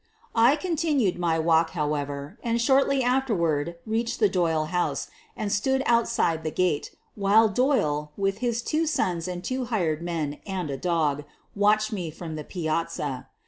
I continued my walk, however, and shortly after ward reached the Doyle house and stood outside the gate, while Doyle, with his two sons and two hired men and a dog, watched me from the piazza.